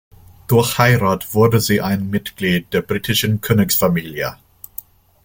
Durch Heirat wurde sie ein Mitglied der britischen Königsfamilie.